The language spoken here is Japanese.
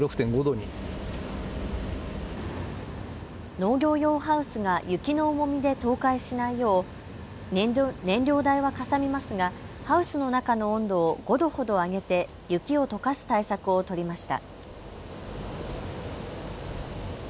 農業用ハウスが雪の重みで倒壊しないよう燃料代はかさみますがハウスの中の温度を５度ほど上げて雪をとかす対策を取りました。